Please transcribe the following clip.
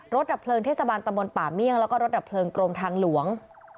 ดับเพลิงเทศบาลตำบลป่าเมี่ยงแล้วก็รถดับเพลิงกรมทางหลวง